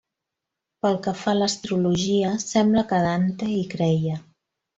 Pel que fa a l'astrologia, sembla que Dante hi creia.